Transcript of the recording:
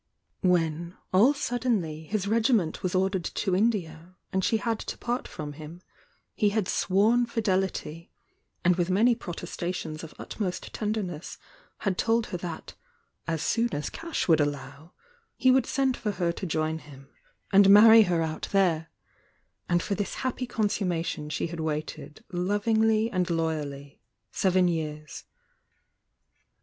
When, aU Buddenly, )>»«»««* wMordered to India, and she had to part from hun, hrhad Bwom fideUty, and with many protestations ot itoort tSidemess had told her that "as. «.on as Ih would allow," he would send for her tojoin hu^ and marry her out there, and for th« happy con summation she had waited lovingly and loyally, seven years.